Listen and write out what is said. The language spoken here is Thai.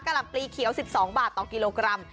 หล่ำปลีเขียว๑๒บาทต่อกิโลกรัม